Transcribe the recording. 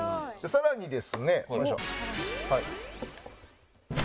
さらにですね。